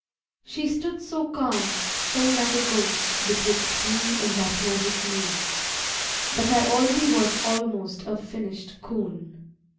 She stood so calm, so like a ghost Betwixt me and that magic moon, That I already was almost A finish'd coon.